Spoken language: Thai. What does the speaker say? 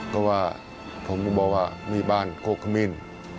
ก็ว่าผมก็บอกว่ามีบ้านโคคมิน